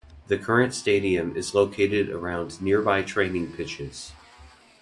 The current stadium is located around nearby training pitches.